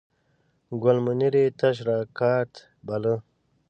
ګل منیر یې تش راکات باله.